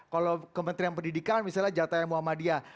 kalau kementerian pendidikan misalnya jatahnya muhammadiyah